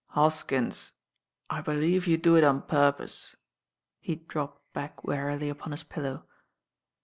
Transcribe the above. "Hoskins, I believe you do it on purpose." He dropped back wearily upon his pillow.